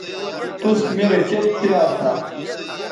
توس میرے کیئت پیار تھا